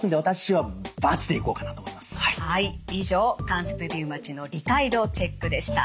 はい以上関節リウマチの理解度チェックでした。